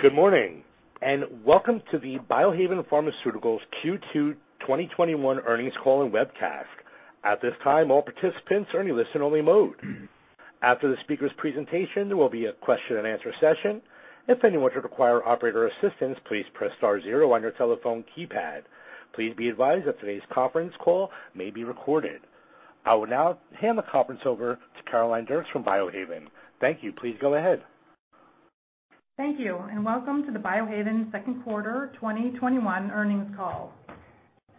Good morning, and welcome to the Biohaven Pharmaceuticals Q2 2021 earnings call and webcast. At this time, all participants are in listen-only mode. After the speakers' presentation, there will be a question and answer session. Please be advised that today's conference call may be recorded. I will now hand the conference over to Caroline Dircks from Biohaven. Thank you. Please go ahead. Thank you, and welcome to the Biohaven second quarter 2021 earnings call.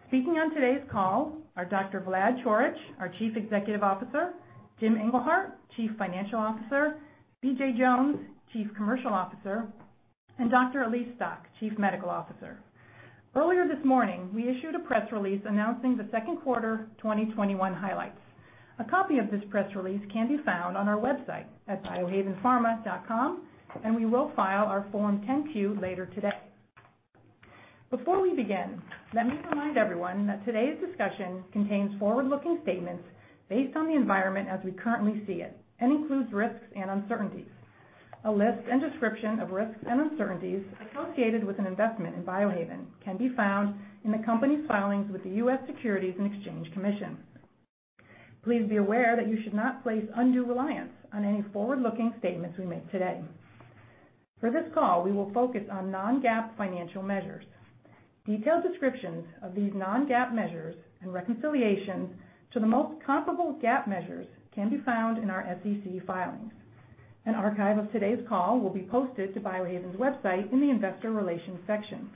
Speaking on today's call are Dr. Vlad Coric, our Chief Executive Officer, Jim Engelhart, Chief Financial Officer, BJ Jones, Chief Commercial Officer, and Dr. Elyse Stock, Chief Medical Officer. Earlier this morning, we issued a press release announcing the second quarter 2021 highlights. A copy of this press release can be found on our website at biohavenpharma.com, and we will file our Form 10-Q later today. Before we begin, let me remind everyone that today's discussion contains forward-looking statements based on the environment as we currently see it and includes risks and uncertainties. A list and description of risks and uncertainties associated with an investment in Biohaven can be found in the company's filings with the US Securities and Exchange Commission. Please be aware that you should not place undue reliance on any forward-looking statements we make today. For this call, we will focus on non-GAAP financial measures. Detailed descriptions of these non-GAAP measures and reconciliations to the most comparable GAAP measures can be found in our SEC filings. Archive of today's call will be posted to Biohaven's website in the investor relations section.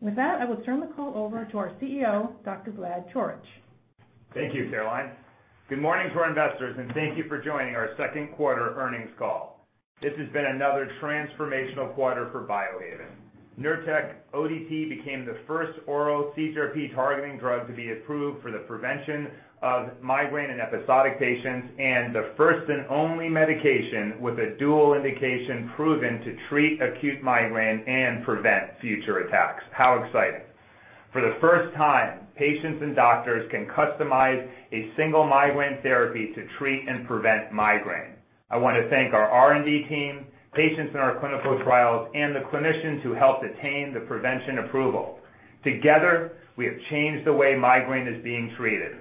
With that, I will turn the call over to our CEO, Dr. Vlad Coric. Thank you, Caroline. Good morning to our investors, and thank you for joining our second quarter earnings call. This has been another transformational quarter for Biohaven. NURTEC ODT became the first oral CGRP targeting drug to be approved for the prevention of migraine in episodic patients and the first and only medication with a dual indication proven to treat acute migraine and prevent future attacks. How exciting. For the first time, patients and doctors can customize a single migraine therapy to treat and prevent migraine. I want to thank our R&D team, patients in our clinical trials, and the clinicians who helped attain the prevention approval. Together, we have changed the way migraine is being treated.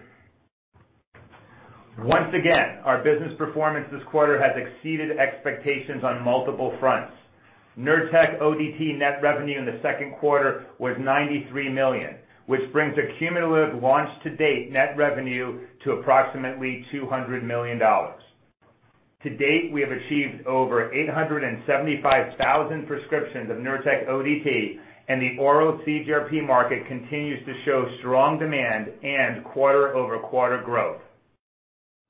Once again, our business performance this quarter has exceeded expectations on multiple fronts. NURTEC ODT net revenue in the second quarter was $93 million, which brings a cumulative launch to date net revenue to approximately $200 million. To date, we have achieved over 875,000 prescriptions of NURTEC ODT, and the oral CGRP market continues to show strong demand and quarter-over-quarter growth.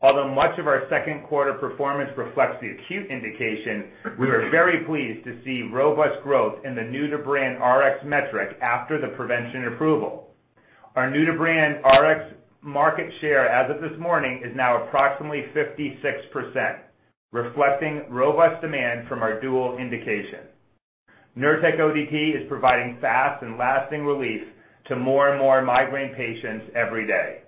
Although much of our second quarter performance reflects the acute indication, we are very pleased to see robust growth in the NBRx metric after the prevention approval. Our NBRx market share as of this morning is now approximately 56%, reflecting robust demand from our dual indication. NURTEC ODT is providing fast and lasting relief to more and more migraine patients every day.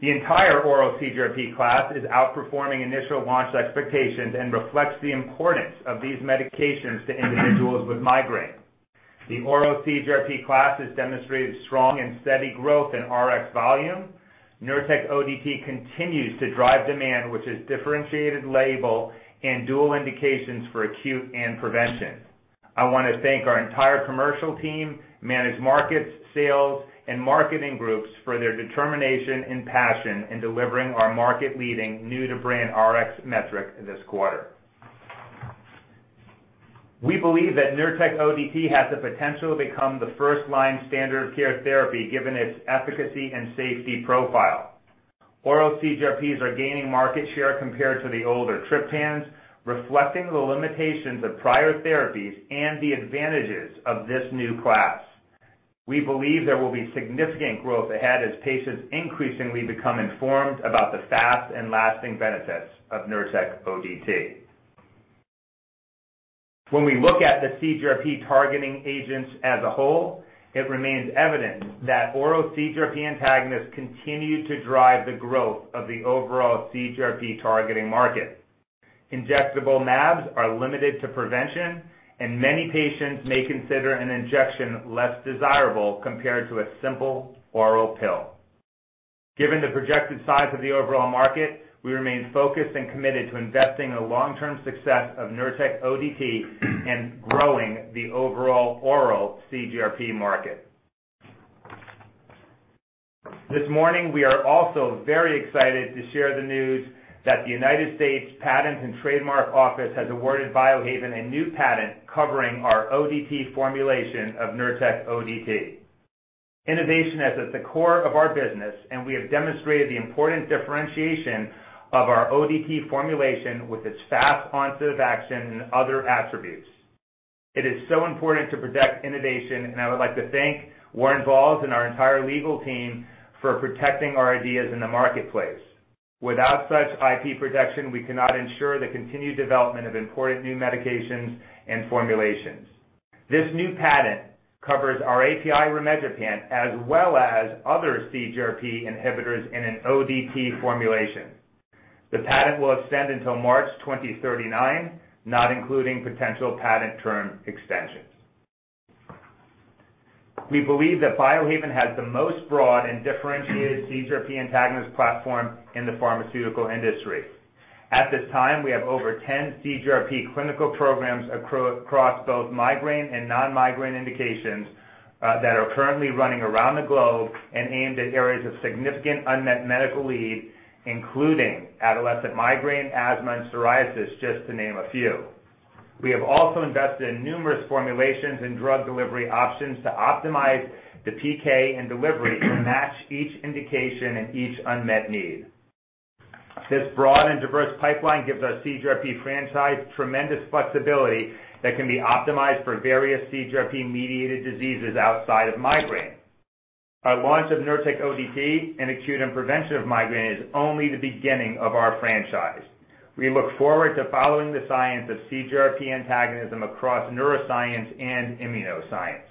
The entire oral CGRP class is outperforming initial launch expectations and reflects the importance of these medications to individuals with migraine. The oral CGRP class has demonstrated strong and steady growth in Rx volume. NURTEC ODT continues to drive demand with its differentiated label and dual indications for acute and prevention. I want to thank our entire commercial team, managed markets, sales, and marketing groups for their determination and passion in delivering our market-leading new to brand Rx metric this quarter. We believe that NURTEC ODT has the potential to become the first-line standard of care therapy given its efficacy and safety profile. Oral CGRPs are gaining market share compared to the older triptans, reflecting the limitations of prior therapies and the advantages of this new class. We believe there will be significant growth ahead as patients increasingly become informed about the fast and lasting benefits of NURTEC ODT. When we look at the CGRP targeting agents as a whole, it remains evident that oral CGRP antagonists continue to drive the growth of the overall CGRP targeting market. Injectable mAbs are limited to prevention, and many patients may consider an injection less desirable compared to a simple oral pill. Given the projected size of the overall market, we remain focused and committed to investing in the long-term success of NURTEC ODT and growing the overall oral CGRP market. This morning, we are also very excited to share the news that the United States Patent and Trademark Office has awarded Biohaven a new patent covering our ODT formulation of NURTEC ODT. Innovation is at the core of our business, and we have demonstrated the important differentiation of our ODT formulation with its fast onset of action and other attributes. It is so important to protect innovation, and I would like to thank Warren Volles and our entire legal team for protecting our ideas in the marketplace. Without such IP protection, we cannot ensure the continued development of important new medications and formulations. This new patent covers our API rimegepant, as well as other CGRP inhibitors in an ODT formulation. The patent will extend until March 2039, not including potential patent term extensions. We believe that Biohaven has the most broad and differentiated CGRP antagonist platform in the pharmaceutical industry. At this time, we have over 10 CGRP clinical programs across both migraine and non-migraine indications that are currently running around the globe and aimed at areas of significant unmet medical need, including adolescent migraine, asthma, and psoriasis, just to name a few. We have also invested in numerous formulations and drug delivery options to optimize the PK and delivery to match each indication and each unmet need. This broad and diverse pipeline gives our CGRP franchise tremendous flexibility that can be optimized for various CGRP-mediated diseases outside of migraine. Our launch of NURTEC ODT in acute and prevention of migraine is only the beginning of our franchise. We look forward to following the science of CGRP antagonism across neuroscience and immunoscience.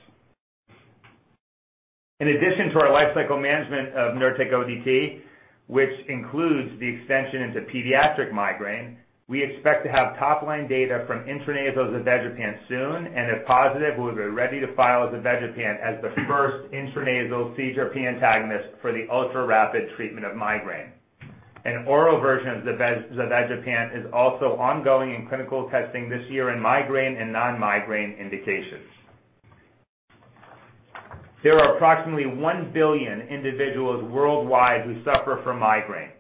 In addition to our lifecycle management of NURTEC ODT, which includes the extension into pediatric migraine, we expect to have top-line data from intranasal zavegepant soon, and if positive, we'll be ready to file zavegepant as the first intranasal CGRP antagonist for the ultra-rapid treatment of migraine. An oral version of zavegepant is also ongoing in clinical testing this year in migraine and non-migraine indications. There are approximately one billion individuals worldwide who suffer from migraine.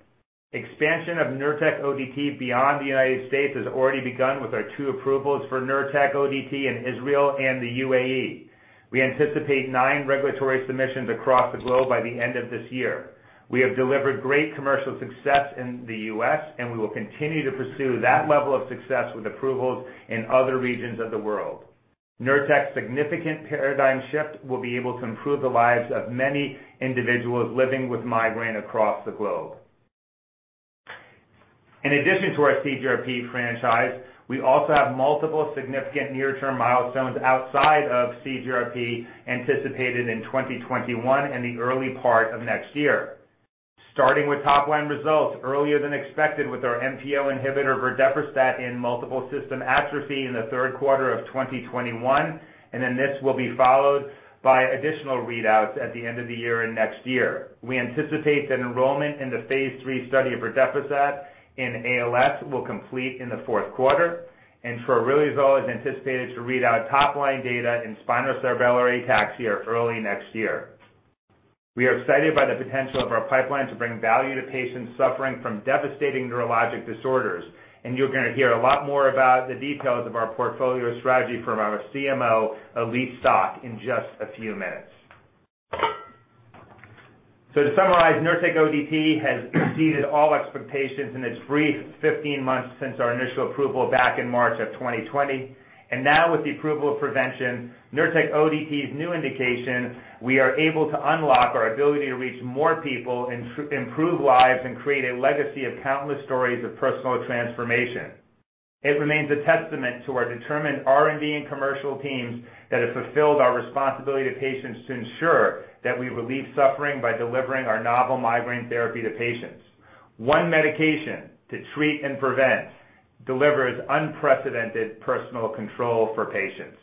Expansion of NURTEC ODT beyond the U.S. has already begun with our two approvals for NURTEC ODT in Israel and the UAE. We anticipate nine regulatory submissions across the globe by the end of this year. We have delivered great commercial success in the U.S., and we will continue to pursue that level of success with approvals in other regions of the world. NURTEC's significant paradigm shift will be able to improve the lives of many individuals living with migraine across the globe. In addition to our CGRP franchise, we also have multiple significant near-term milestones outside of CGRP anticipated in 2021 and the early part of next year. Starting with top-line results earlier than expected with our MPO inhibitor verdiperstat in multiple system atrophy in the third quarter of 2021, and then this will be followed by additional readouts at the end of the year and next year. We anticipate that enrollment in the phase III study of verdiperstat in ALS will complete in the fourth quarter, and troriluzole is anticipated to read out top-line data in spinocerebellar ataxia early next year. We are excited by the potential of our pipeline to bring value to patients suffering from devastating neurologic disorders, and you're going to hear a lot more about the details of our portfolio strategy from our CMO, Elyse Stock, in just a few minutes. To summarize, NURTEC ODT has exceeded all expectations in its brief 15 months since our initial approval back in March 2020. Now with the approval of prevention, NURTEC ODT's new indication, we are able to unlock our ability to reach more people, improve lives, and create a legacy of countless stories of personal transformation. It remains a testament to our determined R&D and commercial teams that have fulfilled our responsibility to patients to ensure that we relieve suffering by delivering our novel migraine therapy to patients. One medication to treat and prevent delivers unprecedented personal control for patients.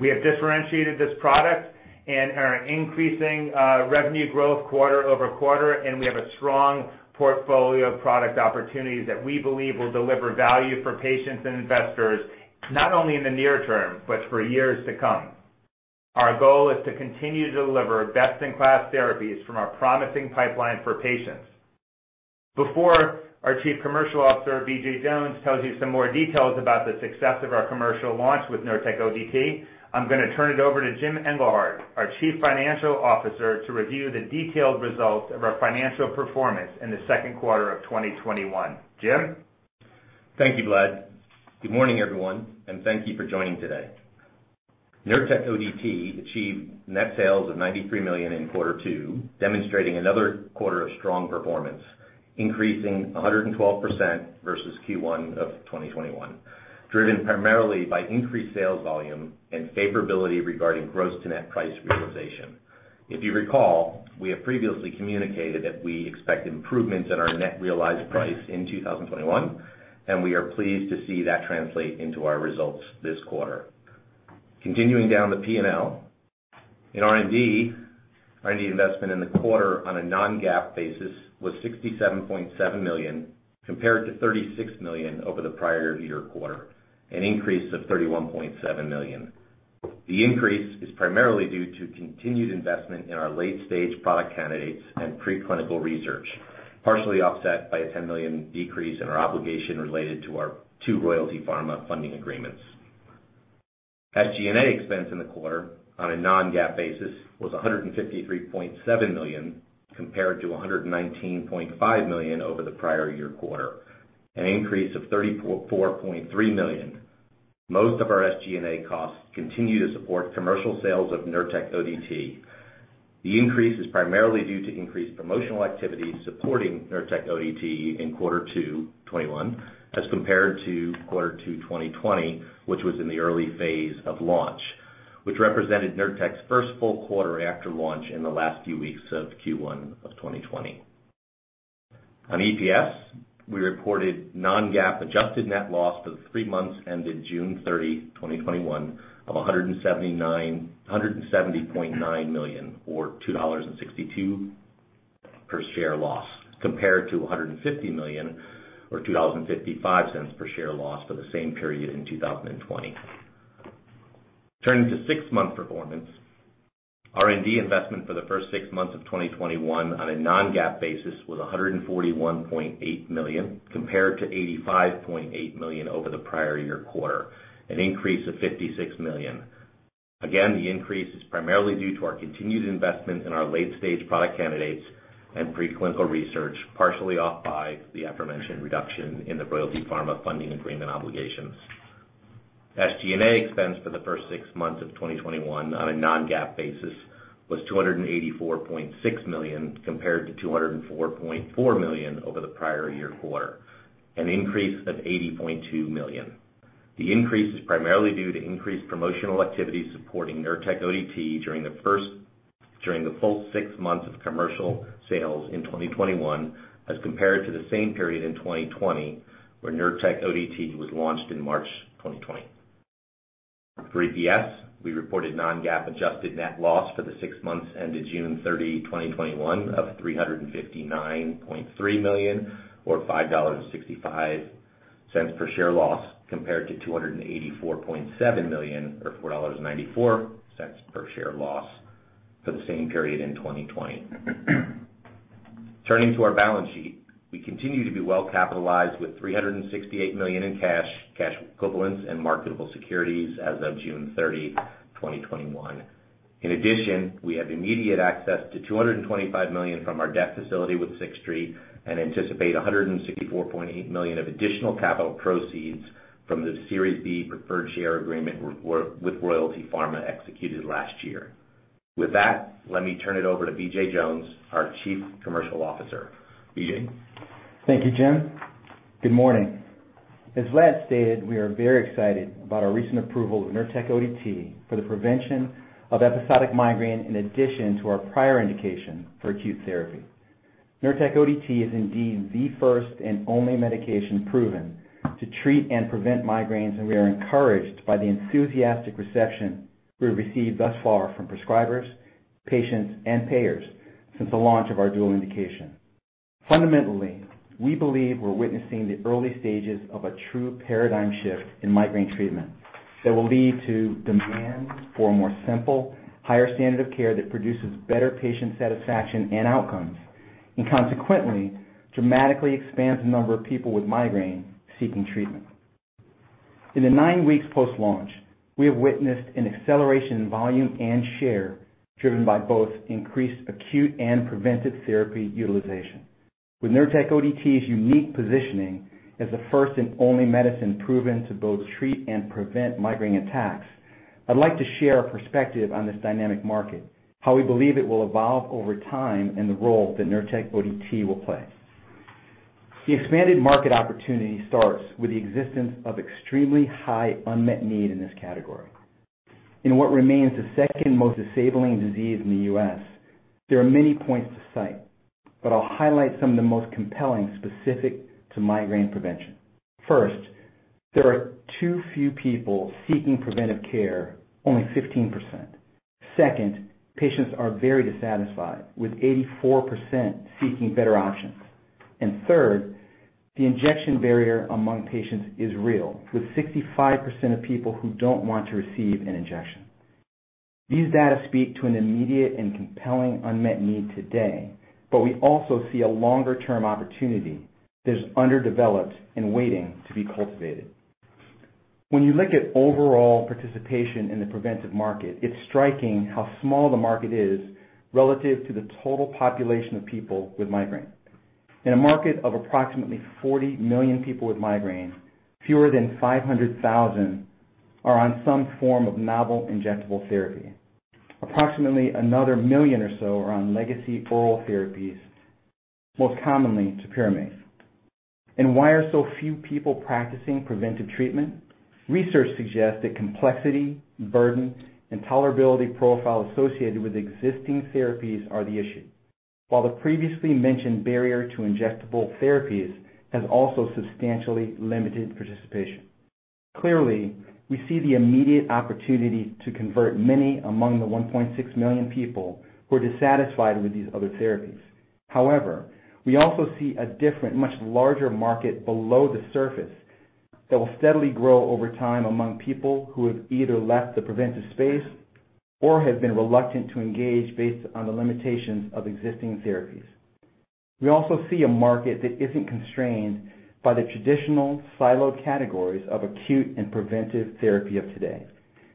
We have differentiated this product and are increasing revenue growth quarter-over-quarter, and we have a strong portfolio of product opportunities that we believe will deliver value for patients and investors, not only in the near term, but for years to come. Our goal is to continue to deliver best-in-class therapies from our promising pipeline for patients. Before our Chief Commercial Officer, BJ Jones, tells you some more details about the success of our commercial launch with NURTEC ODT, I'm going to turn it over to Jim Engelhart, our Chief Financial Officer, to review the detailed results of our financial performance in the second quarter of 2021. Jim? Thank you, Vlad. Good morning, everyone, thank you for joining today. NURTEC ODT achieved net sales of $93 million in quarter two, demonstrating another quarter of strong performance, increasing 112% versus Q1 of 2021, driven primarily by increased sales volume and favorability regarding gross to net price realization. If you recall, we have previously communicated that we expect improvements in our net realized price in 2021, we are pleased to see that translate into our results this quarter. Continuing down the P&L. In R&D, R&D investment in the quarter on a non-GAAP basis was $67.7 million, compared to $36 million over the prior year quarter, an increase of $31.7 million. The increase is primarily due to continued investment in our late-stage product candidates and preclinical research, partially offset by a $10 million decrease in our obligation related to our two Royalty Pharma funding agreements. SG&A expense in the quarter on a non-GAAP basis was $153.7 million, compared to $119.5 million over the prior year quarter, an increase of $34.3 million. Most of our SG&A costs continue to support commercial sales of NURTEC ODT. The increase is primarily due to increased promotional activity supporting NURTEC ODT in Q2 2021 as compared to Q2 2020, which was in the early phase of launch, which represented NURTEC's first full quarter after launch in the last few weeks of Q1 2020. On EPS, we reported non-GAAP adjusted net loss for the three months ended June 30, 2021 of $170.9 million, or $2.62 per share loss, compared to $150 million, or $2.55 per share loss for the same period in 2020. Turning to six-month performance, R&D investment for the first six months of 2021 on a non-GAAP basis was $141.8 million, compared to $85.8 million over the prior year quarter, an increase of $56 million. The increase is primarily due to our continued investment in our late-stage product candidates and pre-clinical research, partially offset by the aforementioned reduction in the Royalty Pharma funding agreement obligations. SG&A expense for the first six months of 2021 on a non-GAAP basis was $284.6 million, compared to $204.4 million over the prior year quarter, an increase of $80.2 million. The increase is primarily due to increased promotional activity supporting NURTEC ODT during the full six months of commercial sales in 2021 as compared to the same period in 2020, where NURTEC ODT was launched in March 2020. For EPS, we reported non-GAAP adjusted net loss for the six months ended June 30, 2021 of $359.3 million, or $5.65 per share loss, compared to $284.7 million, or $4.94 per share loss for the same period in 2020. Turning to our balance sheet, we continue to be well capitalized with $368 million in cash equivalents, and marketable securities as of June 30, 2021. In addition, we have immediate access to $225 million from our debt facility with Sixth Street and anticipate $164.8 million of additional capital proceeds from the Series B preferred share agreement with Royalty Pharma executed last year. With that, let me turn it over to BJ Jones, our Chief Commercial Officer. BJ? Thank you, Jim. Good morning. As Vlad stated, we are very excited about our recent approval of NURTEC ODT for the prevention of episodic migraine, in addition to our prior indication for acute therapy. NURTEC ODT is indeed the first and only medication proven to treat and prevent migraines, we are encouraged by the enthusiastic reception we have received thus far from prescribers, patients, and payers since the launch of our dual indication. Fundamentally, we believe we're witnessing the early stages of a true paradigm shift in migraine treatment that will lead to demand for a more simple, higher standard of care that produces better patient satisfaction and outcomes, consequently dramatically expands the number of people with migraine seeking treatment. In the nine weeks post-launch, we have witnessed an acceleration in volume and share driven by both increased acute and preventive therapy utilization. With NURTEC ODT's unique positioning as the first and only medicine proven to both treat and prevent migraine attacks, I'd like to share a perspective on this dynamic market, how we believe it will evolve over time, and the role that NURTEC ODT will play. The expanded market opportunity starts with the existence of extremely high unmet need in this category. In what remains the second most disabling disease in the U.S., there are many points to cite, but I'll highlight some of the most compelling specific to migraine prevention. First, there are too few people seeking preventive care, only 15%. Second, patients are very dissatisfied, with 84% seeking better options. Third, the injection barrier among patients is real, with 65% of people who don't want to receive an injection. These data speak to an immediate and compelling unmet need today. We also see a longer-term opportunity that is underdeveloped and waiting to be cultivated. When you look at overall participation in the preventive market, it's striking how small the market is relative to the total population of people with migraine. In a market of approximately 40 million people with migraine, fewer than 500,000 are on some form of novel injectable therapy. Approximately another million or so are on legacy oral therapies, most commonly topiramate. Why are so few people practicing preventive treatment? Research suggests that complexity, burden, and tolerability profile associated with existing therapies are the issue. While the previously mentioned barrier to injectable therapies has also substantially limited participation. Clearly, we see the immediate opportunity to convert many among the 1.6 million people who are dissatisfied with these other therapies. However, we also see a different, much larger market below the surface that will steadily grow over time among people who have either left the preventive space or have been reluctant to engage based on the limitations of existing therapies. We also see a market that isn't constrained by the traditional siloed categories of acute and preventive therapy of today.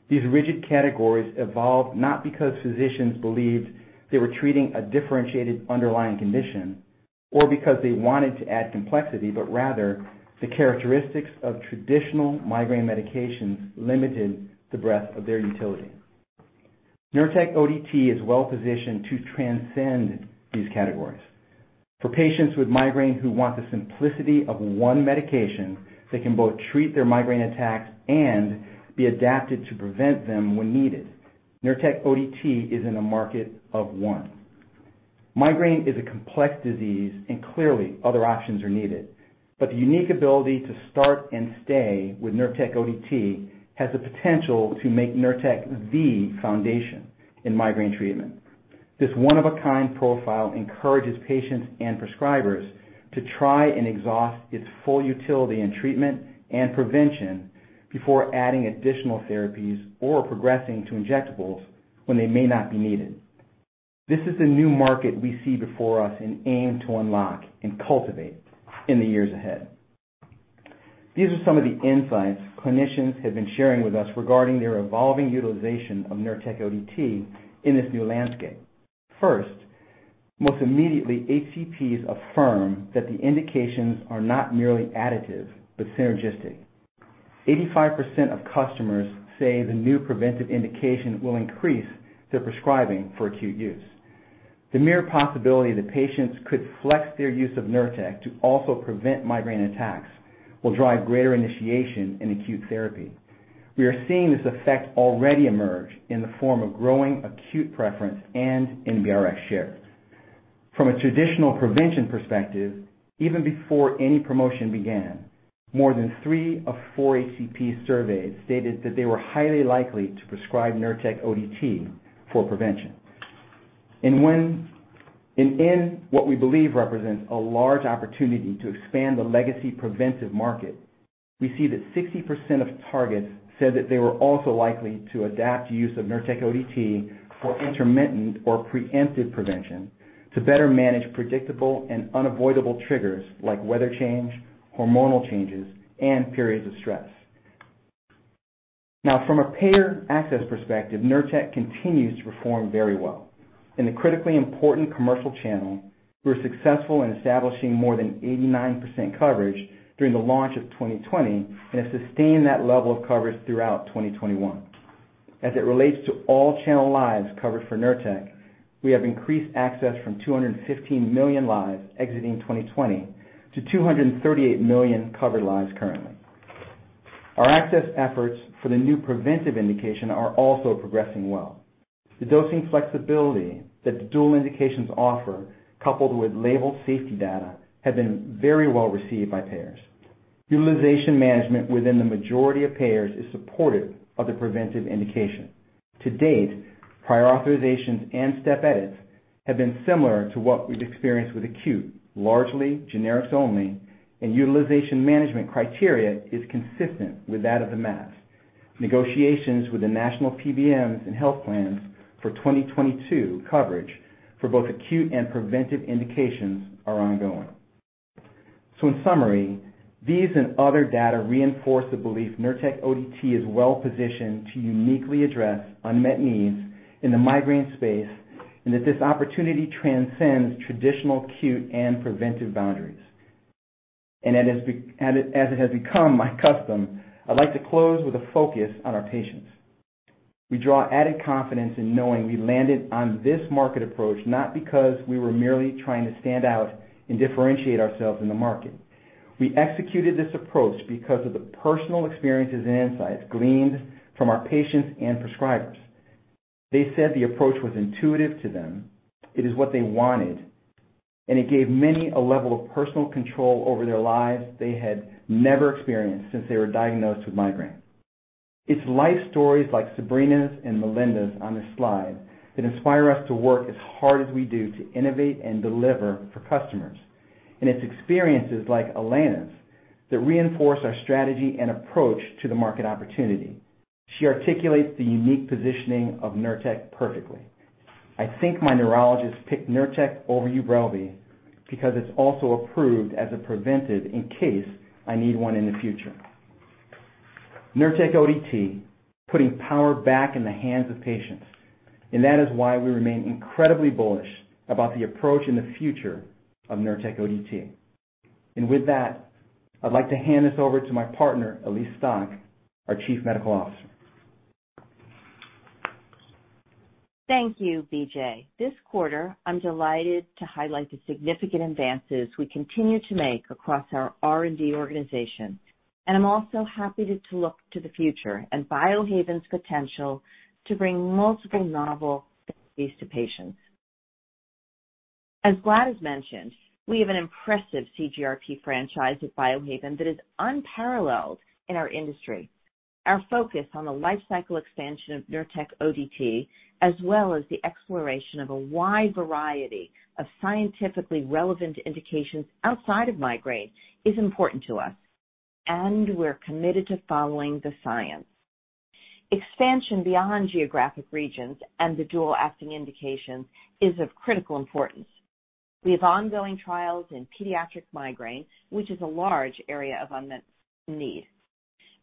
These rigid categories evolved not because physicians believed they were treating a differentiated underlying condition or because they wanted to add complexity, but rather the characteristics of traditional migraine medications limited the breadth of their utility. NURTEC ODT is well-positioned to transcend these categories. For patients with migraine who want the simplicity of one medication that can both treat their migraine attacks and be adapted to prevent them when needed, NURTEC ODT is in a market of one. Migraine is a complex disease and clearly other options are needed. The unique ability to start and stay with NURTEC ODT has the potential to make NURTEC the foundation in migraine treatment. This one-of-a-kind profile encourages patients and prescribers to try and exhaust its full utility in treatment and prevention before adding additional therapies or progressing to injectables when they may not be needed. This is the new market we see before us and aim to unlock and cultivate in the years ahead. These are some of the insights clinicians have been sharing with us regarding their evolving utilization of NURTEC ODT in this new landscape. First, most immediately, HCPs affirm that the indications are not merely additive, but synergistic. 85% of customers say the new preventive indication will increase their prescribing for acute use. The mere possibility that patients could flex their use of NURTEC ODT to also prevent migraine attacks will drive greater initiation in acute therapy. We are seeing this effect already emerge in the form of growing acute preference and NBRx shares. From a traditional prevention perspective, even before any promotion began, more than three of four HCPs surveys stated that they were highly likely to prescribe NURTEC ODT for prevention. In what we believe represents a large opportunity to expand the legacy preventive market, we see that 60% of targets said that they were also likely to adapt use of NURTEC ODT for intermittent or preemptive prevention to better manage predictable and unavoidable triggers like weather change, hormonal changes, and periods of stress. From a payer access perspective, NURTEC ODT continues to perform very well. In the critically important commercial channel, we were successful in establishing more than 89% coverage during the launch of 2020 and have sustained that level of coverage throughout 2021. As it relates to all channel lives covered for NURTEC ODT, we have increased access from 215 million lives exiting 2020 to 238 million covered lives currently. Our access efforts for the new preventive indication are also progressing well. The dosing flexibility that the dual indications offer, coupled with label safety data, have been very well received by payers. Utilization management within the majority of payers is supportive of the preventive indication. To date, prior authorizations and step edits have been similar to what we've experienced with acute, largely generics only, and utilization management criteria is consistent with that of the mass. Negotiations with the national PBMs and health plans for 2022 coverage for both acute and preventive indications are ongoing. In summary, these and other data reinforce the belief NURTEC ODT is well-positioned to uniquely address unmet needs in the migraine space and that this opportunity transcends traditional acute and preventive boundaries. As it has become my custom, I'd like to close with a focus on our patients. We draw added confidence in knowing we landed on this market approach, not because we were merely trying to stand out and differentiate ourselves in the market. We executed this approach because of the personal experiences and insights gleaned from our patients and prescribers. They said the approach was intuitive to them, it is what they wanted, and it gave many a level of personal control over their lives they had never experienced since they were diagnosed with migraine. It's life stories like Sabrina's and Melinda's on this slide that inspire us to work as hard as we do to innovate and deliver for customers. It's experiences like Alana's that reinforce our strategy and approach to the market opportunity. She articulates the unique positioning of NURTEC ODT perfectly. "I think my neurologist picked NURTEC ODT over UBRELVY because it's also approved as a preventive in case I need one in the future." NURTEC ODT, putting power back in the hands of patients. That is why we remain incredibly bullish about the approach and the future of NURTEC ODT. With that, I'd like to hand this over to my partner, Elyse Stock, our Chief Medical Officer. Thank you, BJ. This quarter, I'm delighted to highlight the significant advances we continue to make across our R&D organization, and I'm also happy to look to the future and Biohaven's potential to bring multiple novel therapies to patients. As Vlad Coric mentioned, we have an impressive CGRP franchise at Biohaven that is unparalleled in our industry. Our focus on the life cycle expansion of NURTEC ODT, as well as the exploration of a wide variety of scientifically relevant indications outside of migraine, is important to us, and we're committed to following the science. Expansion beyond geographic regions and the dual-acting indications is of critical importance. We have ongoing trials in pediatric migraine, which is a large area of unmet need.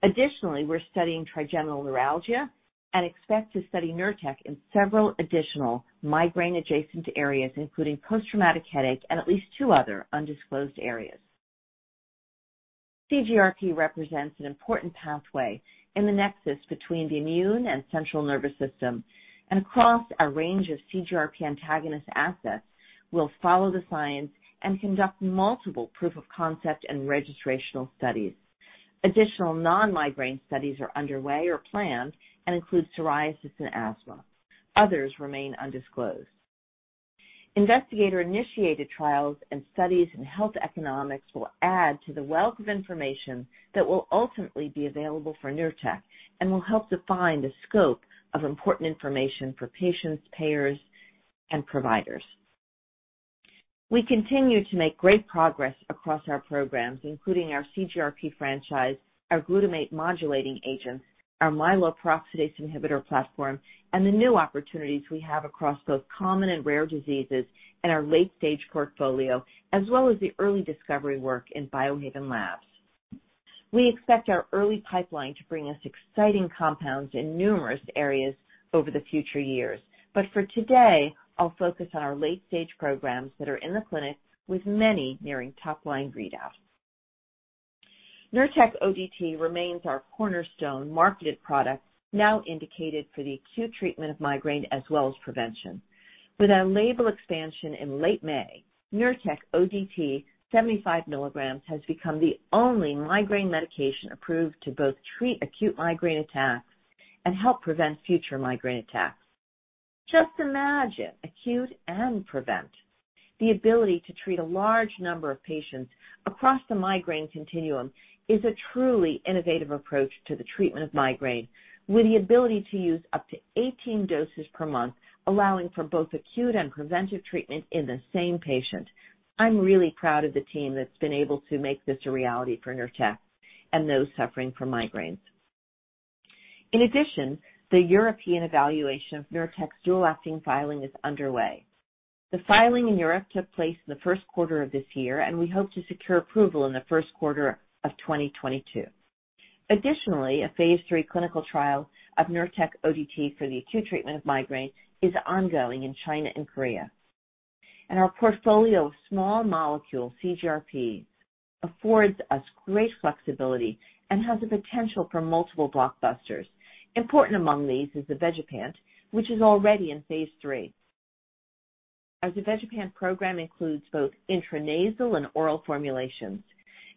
Additionally, we're studying trigeminal neuralgia and expect to study NURTEC ODT in several additional migraine-adjacent areas, including post-traumatic headache and at least two other undisclosed areas. CGRP represents an important pathway in the nexus between the immune and central nervous system. Across our range of CGRP antagonist assets, we'll follow the science and conduct multiple proof of concept and registrational studies. Additional non-migraine studies are underway or planned and include psoriasis and asthma. Others remain undisclosed. Investigator-initiated trials and studies in health economics will add to the wealth of information that will ultimately be available for NURTEC ODT and will help define the scope of important information for patients, payers, and providers. We continue to make great progress across our programs, including our CGRP franchise, our glutamate modulating agents, our myeloperoxidase inhibitor platform, and the new opportunities we have across both common and rare diseases in our late-stage portfolio, as well as the early discovery work in Biohaven Labs. We expect our early pipeline to bring us exciting compounds in numerous areas over the future years. For today, I'll focus on our late-stage programs that are in the clinic with many nearing top-line readouts. NURTEC ODT remains our cornerstone marketed product, now indicated for the acute treatment of migraine as well as prevention. With our label expansion in late May, NURTEC ODT 75 milligrams has become the only migraine medication approved to both treat acute migraine attacks and help prevent future migraine attacks. Just imagine, acute and prevent. The ability to treat a large number of patients across the migraine continuum is a truly innovative approach to the treatment of migraine, with the ability to use up to 18 doses per month, allowing for both acute and preventive treatment in the same patient. I'm really proud of the team that's been able to make this a reality for NURTEC ODT and those suffering from migraines. In addition, the European evaluation of NURTEC's dual-acting filing is underway. The filing in Europe took place in the first quarter of this year, and we hope to secure approval in the first quarter of 2022. Additionally, a phase III clinical trial of NURTEC ODT for the acute treatment of migraine is ongoing in China and Korea. Our portfolio of small molecule CGRP affords us great flexibility and has the potential for multiple blockbusters. Important among these is zavegepant, which is already in phase III. Our zavegepant program includes both intranasal and oral formulations.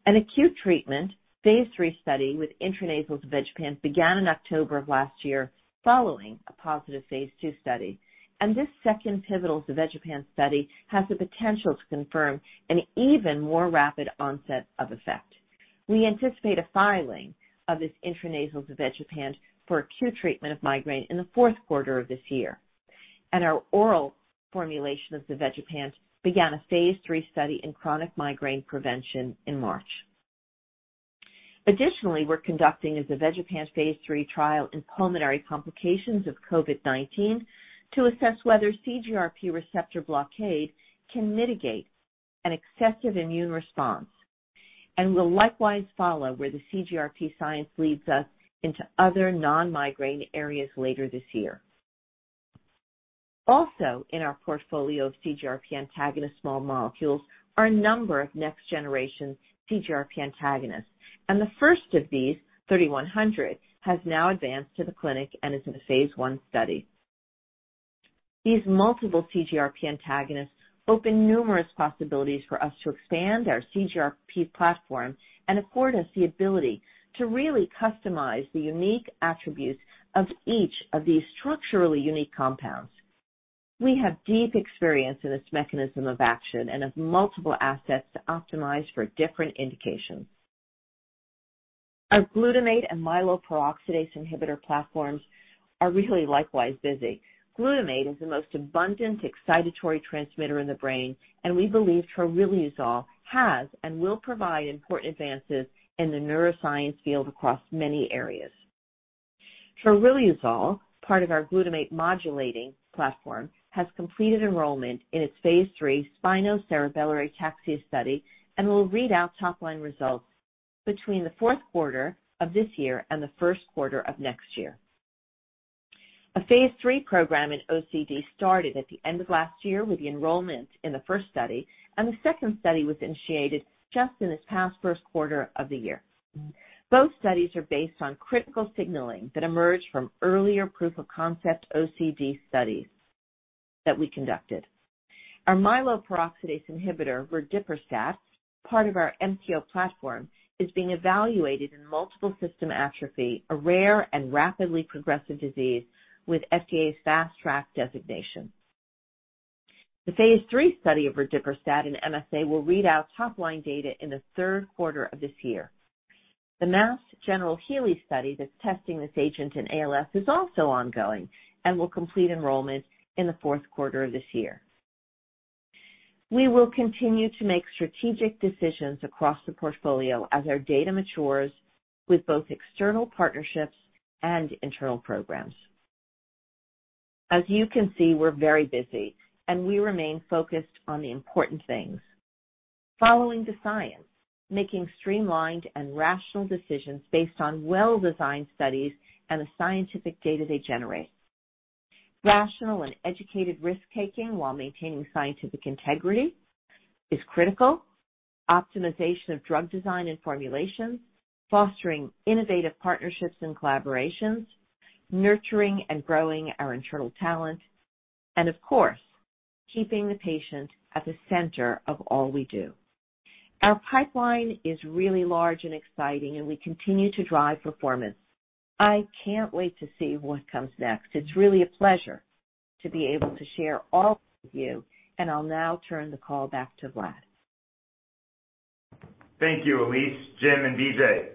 An acute treatment phase III study with intranasal zavegepant began in October of last year following a positive phase II study, and this second pivotal zavegepant study has the potential to confirm an even more rapid onset of effect. We anticipate a filing of this intranasal zavegepant for acute treatment of migraine in the fourth quarter of this year. Our oral formulation of zavegepant began a phase III study in chronic migraine prevention in March. Additionally, we're conducting a zavegepant phase III trial in pulmonary complications of COVID-19 to assess whether CGRP receptor blockade can mitigate an excessive immune response. We'll likewise follow where the CGRP science leads us into other non-migraine areas later this year. Also in our portfolio of CGRP antagonist small molecules are a number of next-generation CGRP antagonists, and the first of these, BHV-3100, has now advanced to the clinic and is in a phase I study. These multiple CGRP antagonists open numerous possibilities for us to expand our CGRP platform and afford us the ability to really customize the unique attributes of each of these structurally unique compounds. We have deep experience in this mechanism of action and have multiple assets to optimize for different indications. Our glutamate and myeloperoxidase inhibitor platforms are really likewise busy. Glutamate is the most abundant excitatory transmitter in the brain, and we believe troriluzole has and will provide important advances in the neuroscience field across many areas. Troriluzole, part of our glutamate modulating platform, has completed enrollment in its phase III spinocerebellar ataxia study and will read out top-line results between the fourth quarter of this year and the first quarter of next year. A phase III program in OCD started at the end of last year with the enrollment in the first study, and the second study was initiated just in this past first quarter of the year. Both studies are based on critical signaling that emerged from earlier proof of concept OCD studies that we conducted. Our myeloperoxidase inhibitor, verdiperstat, part of our MPO platform, is being evaluated in multiple system atrophy, a rare and rapidly progressive disease with FDA's Fast Track designation. The phase III study of verdiperstat in MSA will read out top-line data in the third quarter of this year. The HEALEY ALS Platform Trial that's testing this agent in ALS is also ongoing and will complete enrollment in the fourth quarter of this year. We will continue to make strategic decisions across the portfolio as our data matures with both external partnerships and internal programs. As you can see, we're very busy, and we remain focused on the important things. Following the science, making streamlined and rational decisions based on well-designed studies and the scientific data they generate. Rational and educated risk-taking while maintaining scientific integrity is critical. Optimization of drug design and formulations, fostering innovative partnerships and collaborations, nurturing and growing our internal talent, and of course, keeping the patient at the center of all we do. Our pipeline is really large and exciting, and we continue to drive performance. I can't wait to see what comes next. It's really a pleasure to be able to share all with you, and I'll now turn the call back to Vlad. Thank you, Elyse, Jim, and BJ.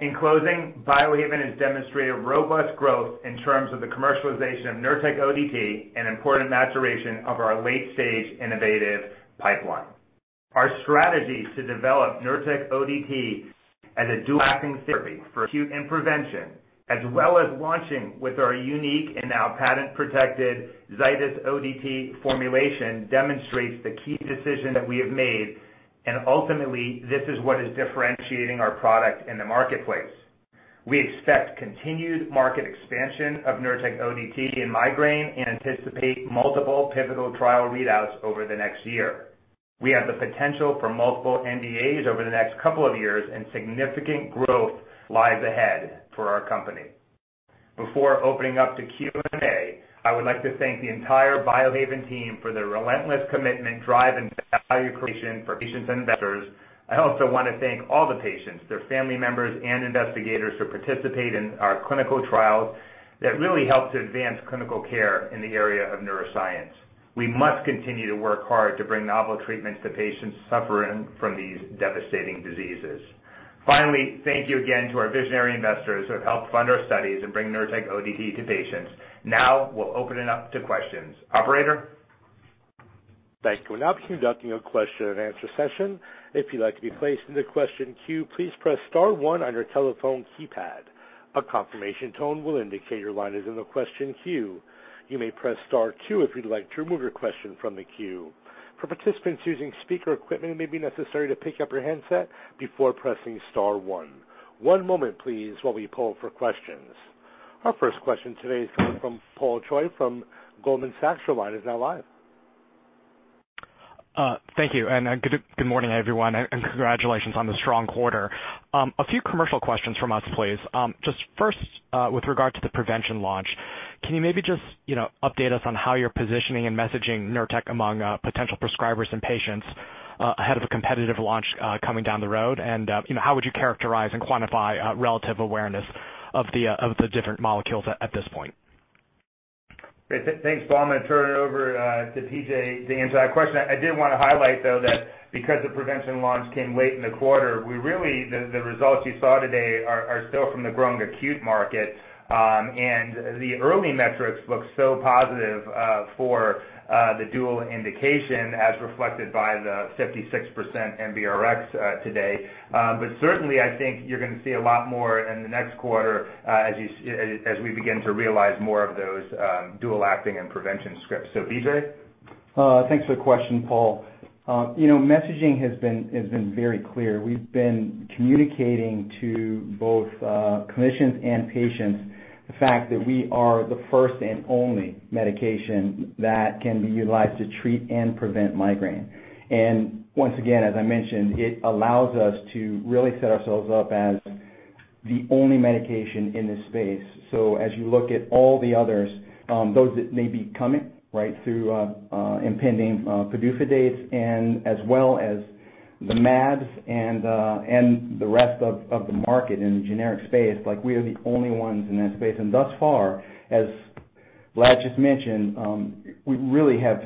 In closing, Biohaven has demonstrated robust growth in terms of the commercialization of NURTEC ODT, an important maturation of our late-stage innovative pipeline. Our strategy to develop NURTEC ODT as a dual-acting therapy for acute and prevention, as well as launching with our unique and now patent-protected Zydis ODT formulation, demonstrates the key decision that we have made, and ultimately, this is what is differentiating our product in the marketplace. We expect continued market expansion of NURTEC ODT in migraine and anticipate multiple pivotal trial readouts over the next year. We have the potential for multiple NDAs over the next couple of years, and significant growth lies ahead for our company. Before opening up to Q&A, I would like to thank the entire Biohaven team for their relentless commitment, drive, and value creation for patients and investors. I also want to thank all the patients, their family members, and investigators who participate in our clinical trials that really help to advance clinical care in the area of neuroscience. We must continue to work hard to bring novel treatments to patients suffering from these devastating diseases. Finally, thank you again to our visionary investors who have helped fund our studies and bring NURTEC ODT to patients. Now we'll open it up to questions. Operator? Thank you. We're now conducting a question and answer session. If you’d like to be placed into question queue, please press star one on your telephone keypad. A confirmation tone will indicate your line is in the question queue. You may press star two if you would like to remove your question from the queue. For participants using speaker equipment, it may be necessary to pick up your handset before pressing star one. One moment, please, while we poll for questions. Our first question today is coming from Paul Choi from Goldman Sachs. Your line is now live. Thank you, and good morning, everyone, and congratulations on the strong quarter. A few commercial questions from us, please. Just first, with regard to the prevention launch, can you maybe just update us on how you're positioning and messaging NURTEC ODT among potential prescribers and patients ahead of a competitive launch coming down the road? How would you characterize and quantify relative awareness of the different molecules at this point? Great. Thanks, Paul. I'm going to turn it over to BJ to answer that question. I did want to highlight, though, that because the prevention launch came late in the quarter, the results you saw today are still from the growing acute market. The early metrics look so positive for the dual indication, as reflected by the 56% NBRx today. Certainly, I think you're going to see a lot more in the next quarter as we begin to realize more of those dual-acting and prevention scripts. BJ? Thanks for the question, Paul. Messaging has been very clear. We've been communicating to both clinicians and patients the fact that we are the first and only medication that can be utilized to treat and prevent migraine. Once again, as I mentioned, it allows us to really set ourselves up as the only medication in this space. As you look at all the others, those that may be coming through impending PDUFA dates and as well as the mAbs and the rest of the market in the generic space, we are the only ones in that space. Thus far, as Vlad just mentioned, we really have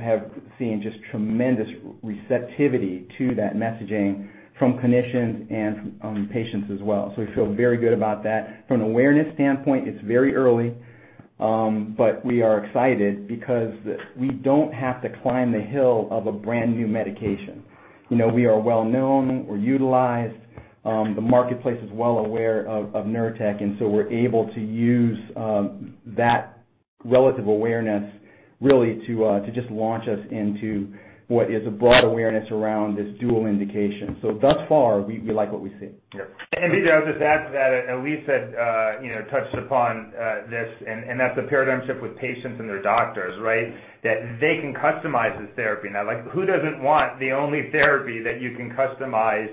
seen just tremendous receptivity to that messaging from clinicians and patients as well. We feel very good about that. From an awareness standpoint, it's very early, but we are excited because we don't have to climb the hill of a brand-new medication. We are well known. We're utilized. The marketplace is well aware of NURTEC ODT, and so we're able to use that relative awareness really to just launch us into what is a broad awareness around this dual indication. Thus far, we like what we see. BJ, I would just add to that, Elyse had touched upon this, and that's the paradigm shift with patients and their doctors, right? That they can customize this therapy now. Who doesn't want the only therapy that you can customize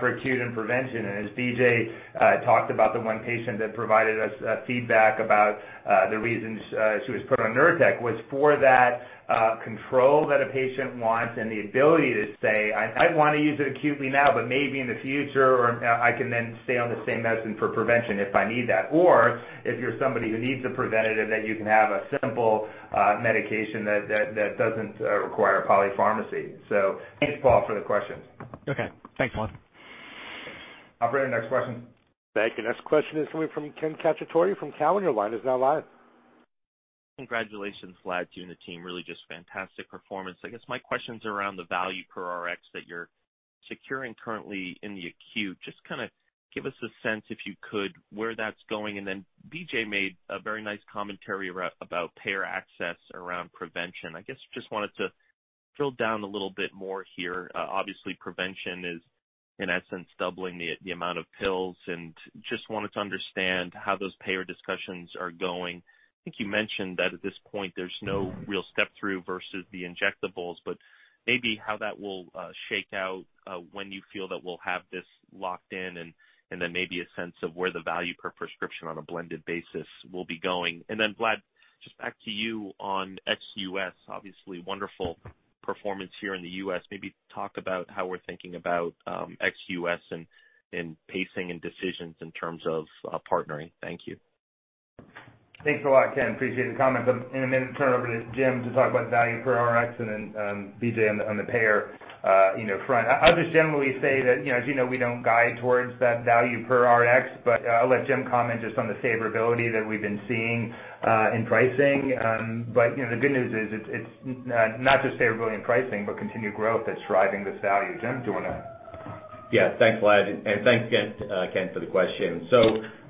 for acute and prevention? As BJ talked about the one patient that provided us feedback about the reasons she was put on NURTEC ODT was for that control that a patient wants and the ability to say, "I want to use it acutely now, but maybe in the future I can then stay on the same medicine for prevention if I need that." If you're somebody who needs a preventative, that you can have a simple medication that doesn't require polypharmacy. Thanks, Paul, for the question. Okay. Thanks, Vlad. Operator, next question. Thank you. Next question is coming from Ken Cacciatore from Cowen. Your line is now live. Congratulations, Vlad, to you and the team. Really just fantastic performance. I guess my question's around the value per Rx that you're securing currently in the acute. Just kind of give us a sense, if you could, where that's going, and then BJ made a very nice commentary about payer access around prevention. I guess just wanted to drill down a little bit more here. Obviously, prevention is in essence doubling the amount of pills, and just wanted to understand how those payer discussions are going. I think you mentioned that at this point there's no real step-through versus the injectables, but maybe how that will shake out, when you feel that we'll have this locked in, and then maybe a sense of where the value per prescription on a blended basis will be going. Vlad, just back to you on ex-US. Obviously, wonderful performance here in the U.S. Maybe talk about how we're thinking about ex-U.S. and pacing and decisions in terms of partnering. Thank you. Thanks a lot, Ken. Appreciate the comment. In a minute, turn it over to Jim to talk about value per Rx and then BJ on the payer front. I'll just generally say that, as you know, we don't guide towards that value per Rx, but I'll let Jim comment just on the favorability that we've been seeing in pricing. The good news is it's not just favorability in pricing, but continued growth that's driving this value. Jim, do you want to? Yeah. Thanks, Vlad, and thanks again, Ken, for the question.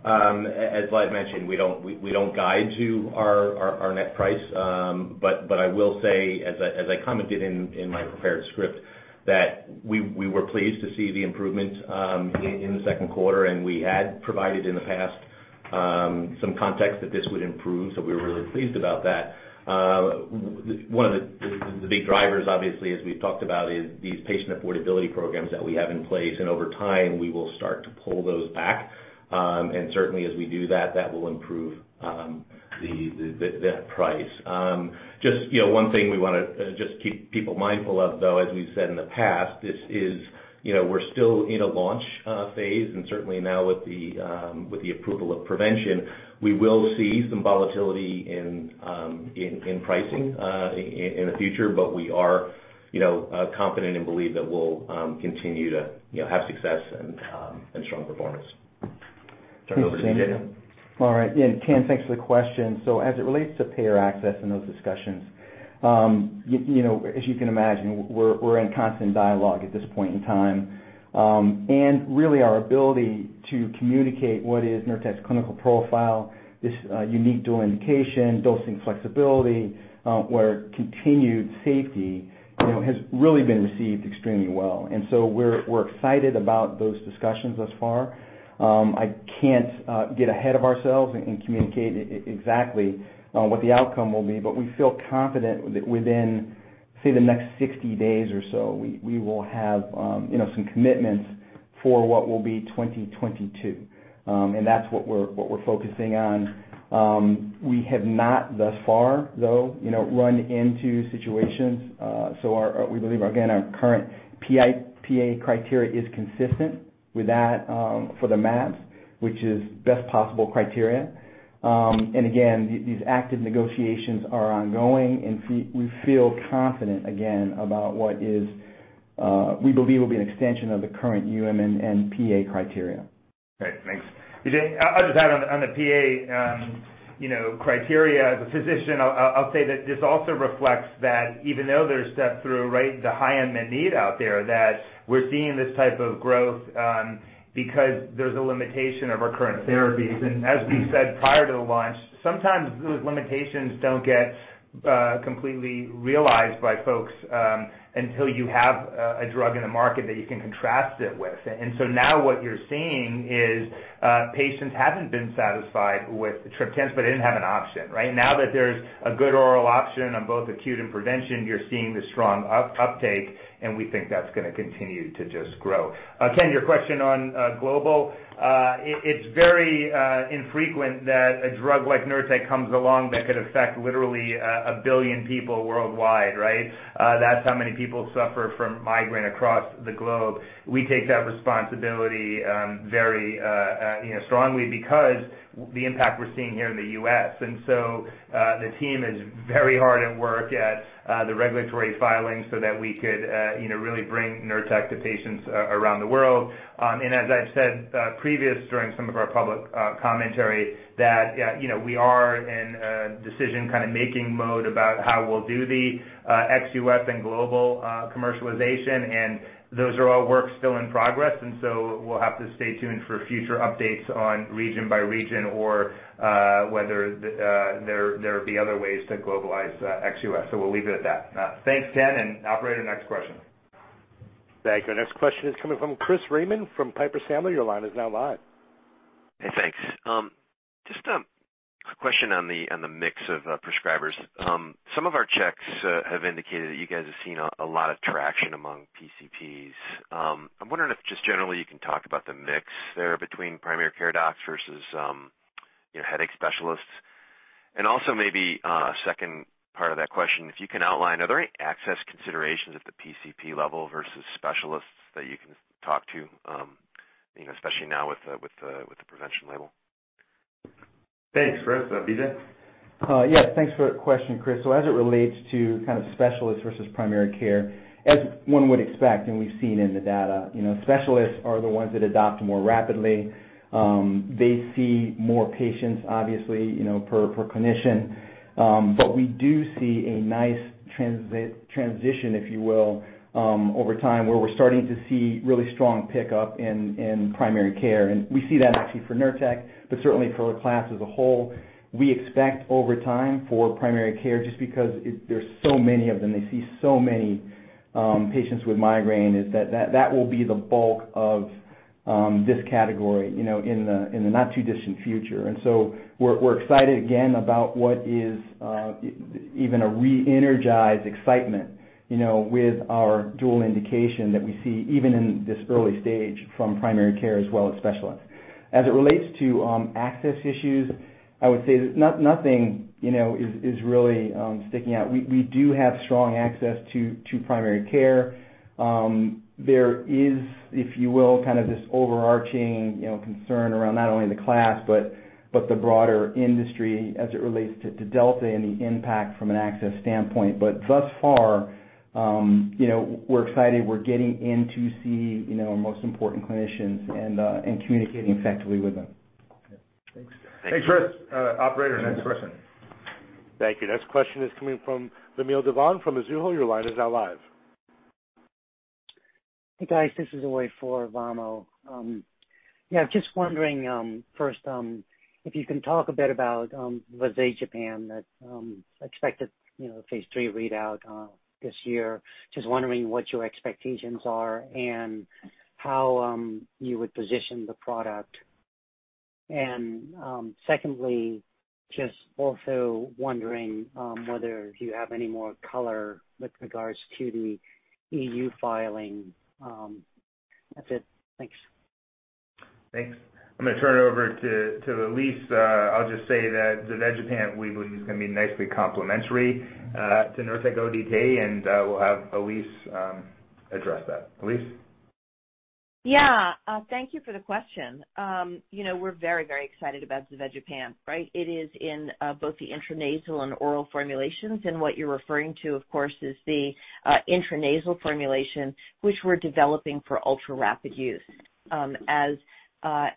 As Vlad mentioned, we don't guide to our net price. I will say, as I commented in my prepared script, that we were pleased to see the improvement in the second quarter, and we had provided, in the past, some context that this would improve, so we were really pleased about that. One of the big drivers, obviously, as we've talked about, is these patient affordability programs that we have in place, and over time, we will start to pull those back. Certainly as we do that will improve that price. Just one thing we want to just keep people mindful of, though, as we've said in the past, is we're still in a launch phase, and certainly now with the approval of prevention, we will see some volatility in pricing in the future. We are confident and believe that we'll continue to have success and strong performance. Turn it over to you, BJ. All right. Yeah, Ken, thanks for the question. As it relates to payer access and those discussions, as you can imagine, we're in constant dialogue at this point in time. Really our ability to communicate what is NURTEC's clinical profile, this unique dual indication, dosing flexibility, where continued safety has really been received extremely well. We're excited about those discussions thus far. I can't get ahead of ourselves and communicate exactly what the outcome will be, we feel confident that within, say, the next 60 days or so, we will have some commitments for what will be 2022. That's what we're focusing on. We have not thus far, though, run into situations. We believe, again, our current PA criteria is consistent with that for the mAbs, which is best possible criteria. Again, these active negotiations are ongoing, and we feel confident, again, about what we believe will be an extension of the current UM and PA criteria. Great. Thanks. BJ, I'll just add on the PA criteria. As a physician, I'll say that this also reflects that even though there's step-through, right, the high unmet need out there, that we're seeing this type of growth because there's a limitation of our current therapies. As we said prior to launch, sometimes those limitations don't get completely realized by folks until you have a drug in the market that you can contrast it with. Now what you're seeing is patients haven't been satisfied with the triptans, but they didn't have an option, right? Now that there's a good oral option on both acute and prevention, you're seeing this strong uptake, and we think that's going to continue to just grow. Ken, your question on global. It's very infrequent that a drug like NURTEC ODT comes along that could affect literally one billion people worldwide, right? That's how many people suffer from migraine across the globe. We take that responsibility very strongly because the impact we're seeing here in the U.S. The team is very hard at work at the regulatory filings so that we could really bring NURTEC ODT to patients around the world. As I've said previous during some of our public commentary that we are in a decision kind of making mode about how we'll do the ex-U.S. and global commercialization, those are all works still in progress, we'll have to stay tuned for future updates on region by region or whether there'll be other ways to globalize ex-U.S. We'll leave it at that. Thanks, Ken, and operator, next question. Thank you. Next question is coming from Chris Raymond from Piper Sandler. Your line is now live. Hey, thanks. Just a question on the mix of prescribers. Some of our checks have indicated that you guys have seen a lot of traction among PCPs. I'm wondering if just generally you can talk about the mix there between primary care docs versus headache specialists. Also maybe a second part of that question, if you can outline, are there any access considerations at the PCP level versus specialists that you can talk to, especially now with the prevention label? Thanks. Chris, BJ? Yes, thanks for the question, Chris. As it relates to kind of specialists versus primary care, as one would expect, and we've seen in the data, specialists are the ones that adopt more rapidly. They see more patients, obviously, per clinician. We do see a nice transition, if you will, over time, where we're starting to see really strong pickup in primary care. We see that actually for NURTEC ODT, but certainly for the class as a whole. We expect over time for primary care, just because there's so many of them, they see so many, patients with migraine, is that will be the bulk of this category in the not-too-distant future. We're excited again about what is even a re-energized excitement, with our dual indication that we see even in this early stage from primary care as well as specialists. As it relates to access issues, I would say that nothing is really sticking out. We do have strong access to primary care. There is, if you will, kind of this overarching concern around not only the class but the broader industry as it relates to Delta and the impact from an access standpoint. Thus far, we're excited we're getting in to see our most important clinicians and communicating effectively with them. Thanks. Thanks, Chris. Operator, next question. Thank you. Next question is coming from Vamil Divan from Mizuho. Your line is now live. Hey, guys, this is for Vamil. Just wondering, first, if you can talk a bit about zavegepant that expected phase III readout this year. Just wondering what your expectations are and how you would position the product. Secondly, just also wondering whether you have any more color with regards to the EU filing. That's it. Thanks. Thanks. I'm going to turn it over to Elyse. I'll just say that zavegepant we believe is going to be nicely complementary to NURTEC ODT. We'll have Elyse address that. Elyse? Yeah. Thank you for the question. We're very excited about zavegepant. It is in both the intranasal and oral formulations, and what you're referring to, of course, is the intranasal formulation, which we're developing for ultra-rapid use.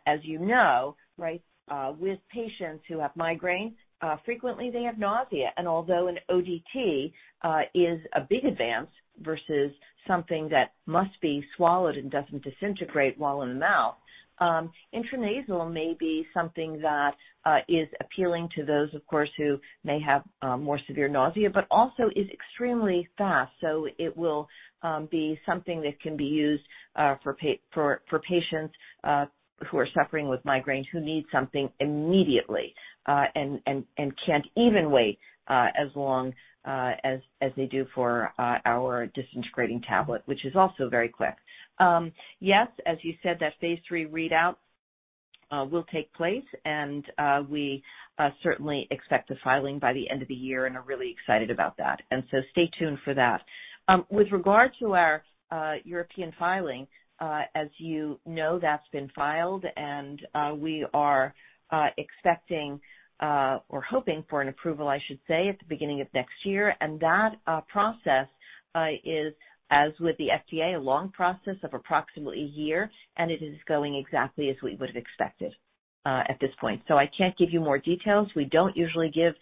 As you know, with patients who have migraines, frequently they have nausea. Although an ODT is a big advance versus something that must be swallowed and doesn't disintegrate while in the mouth, intranasal may be something that is appealing to those, of course, who may have more severe nausea, but also is extremely fast. It will be something that can be used for patients who are suffering with migraines who need something immediately and can't even wait as long as they do for our disintegrating tablet, which is also very quick. Yes, as you said, that phase III readout will take place and we certainly expect a filing by the end of the year and are really excited about that. Stay tuned for that. With regard to our European filing, as you know, that's been filed and we are expecting, or hoping for an approval, I should say, at the beginning of next year. That process is, as with the FDA, a long process of approximately a year, and it is going exactly as we would have expected at this point. I can't give you more details. We don't usually give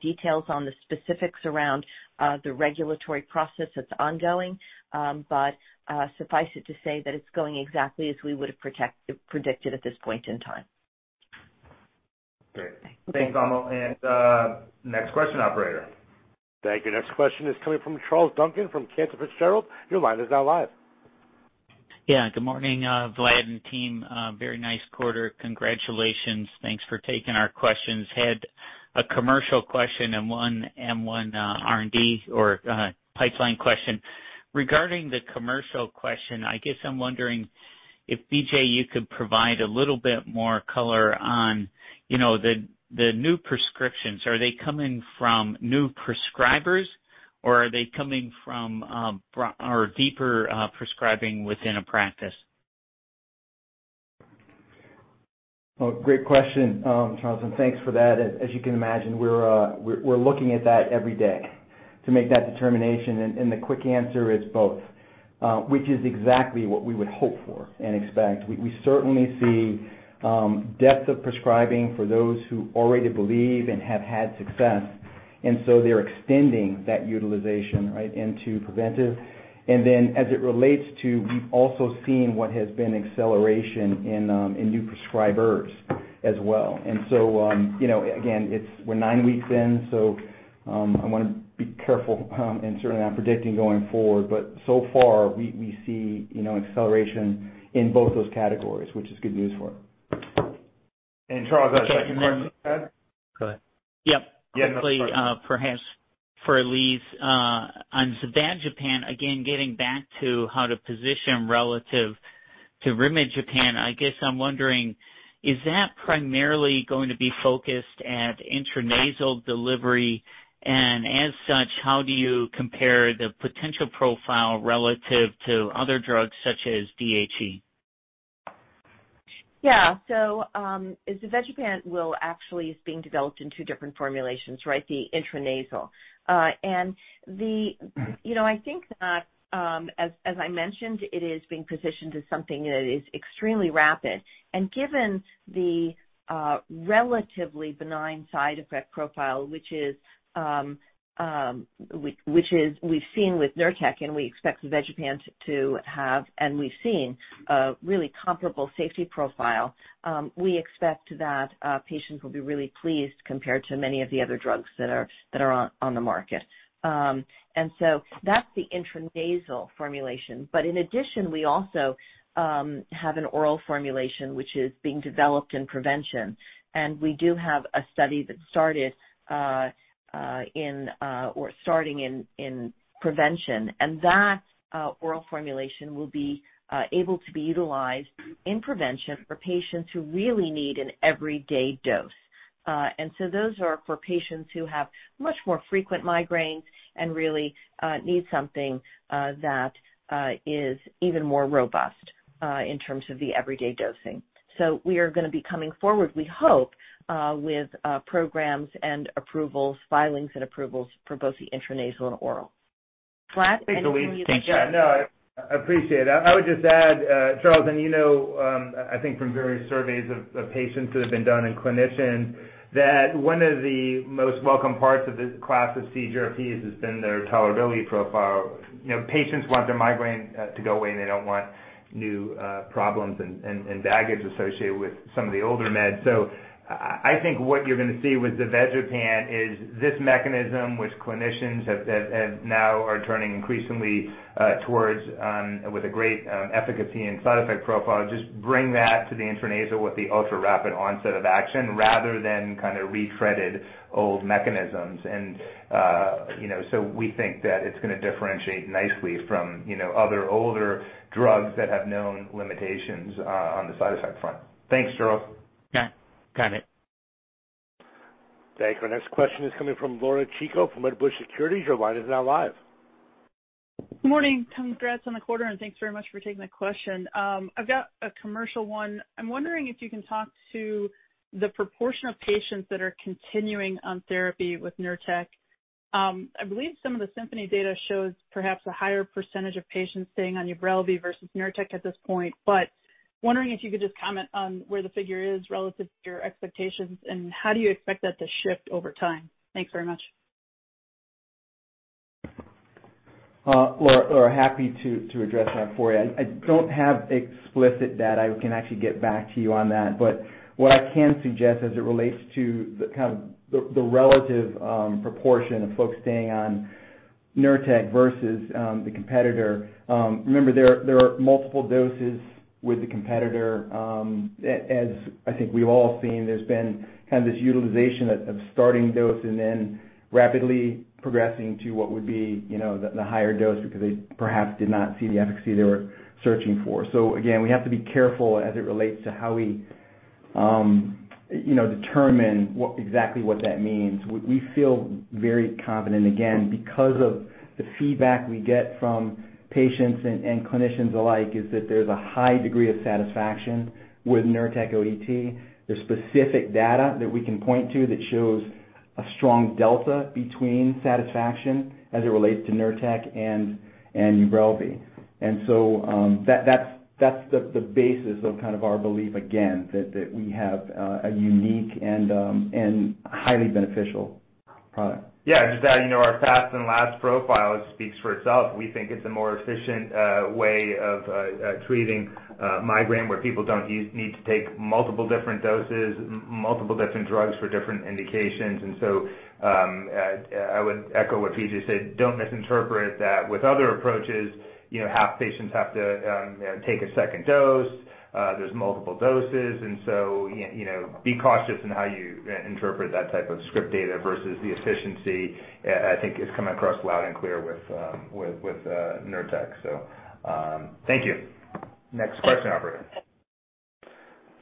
details on the specifics around the regulatory process that's ongoing. Suffice it to say that it's going exactly as we would have predicted at this point in time. Great. Thanks, Vamil. Next question, operator. Thank you. Next question is coming from Charles Duncan from Cantor Fitzgerald. Your line is now live. Yeah, good morning, Vlad and team. Very nice quarter. Congratulations. Thanks for taking our questions. Had a commercial question and one on R&D or pipeline question. Regarding the commercial question, I guess I'm wondering if, BJ, you could provide a little bit more color on the new prescriptions. Are they coming from new prescribers or are they coming from our deeper prescribing within a practice? Great question, Charles, thanks for that. As you can imagine, we're looking at that every day to make that determination, the quick answer is both. Which is exactly what we would hope for and expect. We certainly see depth of prescribing for those who already believe and have had success, they're extending that utilization into preventive. We've also seen what has been acceleration in new prescribers as well. Again, we're nine weeks in, I want to be careful and certainly not predicting going forward, so far we see acceleration in both those categories, which is good news for us. Charles, a second question you had? Yep. Quickly, perhaps for Elyse, on zavegepant, again, getting back to how to position relative to rimegepant. I guess I'm wondering, is that primarily going to be focused at intranasal delivery? As such, how do you compare the potential profile relative to other drugs such as DHE? Zavegepant is being developed in two different formulations, right? The intranasal. I think that, as I mentioned, it is being positioned as something that is extremely rapid. Given the relatively benign side effect profile, which we've seen with NURTEC ODT, and we expect zavegepant to have, and we've seen a really comparable safety profile. We expect that patients will be really pleased compared to many of the other drugs that are on the market. That's the intranasal formulation. In addition, we also have an oral formulation, which is being developed in prevention. We do have a study that started, or starting in prevention, and that oral formulation will be able to be utilized in prevention for patients who really need an everyday dose. Those are for patients who have much more frequent migraines and really need something that is even more robust in terms of the everyday dosing. We are going to be coming forward, we hope, with programs and approvals, filings, and approvals for both the intranasal and oral. Vlad, anything you would add? No, I appreciate it. I would just add, Charles, and you know, I think from various surveys of patients that have been done and clinicians, that one of the most welcome parts of this class of CGRPs has been their tolerability profile. Patients want their migraine to go away, and they don't want new problems and baggage associated with some of the older meds. I think what you're going to see with zavegepant is this mechanism, which clinicians now are turning increasingly towards with a great efficacy and side effect profile. Just bring that to the intranasal with the ultrarapid onset of action rather than kind of retreaded old mechanisms. We think that it's going to differentiate nicely from other older drugs that have known limitations on the side effect front. Thanks, Charles. Yeah. Got it. Thank you. Our next question is coming from Laura Chico from Wedbush Securities. Your line is now live. Good morning. Congrats on the quarter. Thanks very much for taking the question. I've got a commercial one. I'm wondering if you can talk to the proportion of patients that are continuing on therapy with NURTEC ODT. I believe some of the Symphony data shows perhaps a higher percentage of patients staying on UBRELVY versus NURTEC ODT at this point, but wondering if you could just comment on where the figure is relative to your expectations, and how do you expect that to shift over time. Thanks very much. Laura, happy to address that for you. I don't have explicit data. I can actually get back to you on that, but what I can suggest as it relates to the kind of the relative proportion of folks staying on NURTEC ODT versus the competitor. Remember, there are multiple doses with the competitor. As I think we've all seen, there's been kind of this utilization of starting dose and then rapidly progressing to what would be the higher dose because they perhaps did not see the efficacy they were searching for. Again, we have to be careful as it relates to how we determine exactly what that means. We feel very confident, again, because of the feedback we get from patients and clinicians alike, is that there's a high degree of satisfaction with NURTEC ODT. There's specific data that we can point to that shows a strong delta between satisfaction as it relates to NURTEC ODT and UBRELVY. That's the basis of kind of our belief, again, that we have a unique and highly beneficial product. Yeah, just adding, our fast and last profile speaks for itself. We think it's a more efficient way of treating a migraine where people don't need to take multiple different doses, multiple different drugs for different indications. I would echo what BJ said. Don't misinterpret that with other approaches, half patients have to take a second dose. There's multiple doses, be cautious in how you interpret that type of script data versus the efficiency, I think is coming across loud and clear with NURTEC ODT. Thank you. Next question operator.